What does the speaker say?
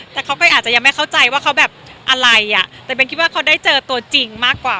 แต่เขาก็อาจจะยังไม่เข้าใจว่าเขาแบบอะไรอ่ะแต่เบนคิดว่าเขาได้เจอตัวจริงมากกว่า